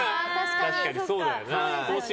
確かにそうだな。